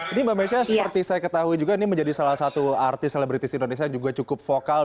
ini mbak mesha seperti saya ketahui juga ini menjadi salah satu artis selebritis indonesia yang juga cukup vokal